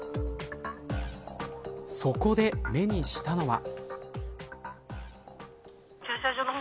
そこで目にしたのは。